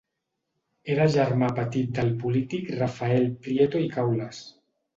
Era germà petit del polític Rafael Prieto i Caules.